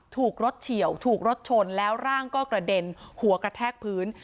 ถูกรถเฉียวถูกรถชนแล้วร่างก็กระเด็นหัวกระแทกพื้น